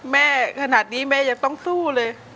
แม่ขนาดนี้แม่ยังต้องสู้เลย